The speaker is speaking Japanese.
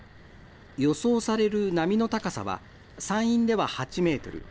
予想される波の高さは山陰では８メートル。